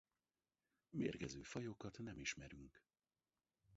Mérgező fajokat nem ismerünk!